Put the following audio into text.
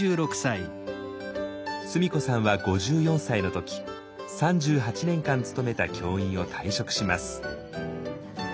須美子さんは５４歳の時３８年間勤めた教員を退職します。